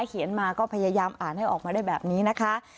เขียนมาก็พยายามอ่านให้ออกมาได้แบบนี้นะคะ